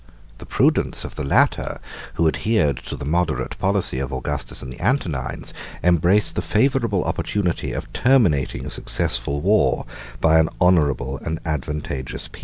The prudence of the latter, who adhered to the moderate policy of Augustus and the Antonines, embraced the favorable opportunity of terminating a successful war by an honorable and advantageous peace.